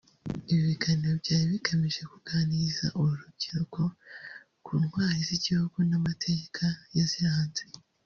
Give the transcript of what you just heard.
Ibi biganiro byari bigamije kuganiriza uru rubyiruko ku ntwari z’igihugu n’amateka yaziranze